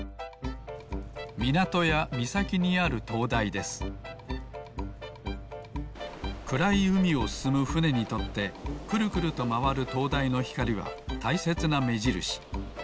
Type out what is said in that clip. みなとやみさきにあるとうだいですくらいうみをすすむふねにとってくるくるとまわるとうだいのひかりはたいせつなめじるし。